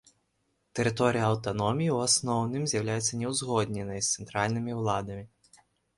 Тэрыторыя аўтаноміі ў асноўным з'яўляецца няўзгодненай з цэнтральнымі ўладамі.